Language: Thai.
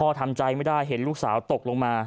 ทำใจไม่ได้เห็นลูกสาวตกลงมา